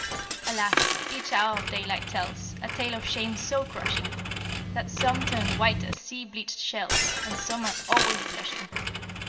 Alas! each hour of daylight tells A tale of shame so crushing, That some turn white as sea bleached shells, And some are always blushing.